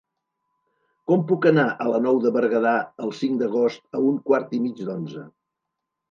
Com puc anar a la Nou de Berguedà el cinc d'agost a un quart i mig d'onze?